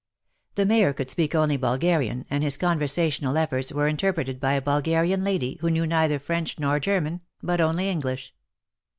The Mayor could speak only Bulgarian, and his conversational efforts were interpreted by a Bulgarian lady who knew neither French nor German, but only English.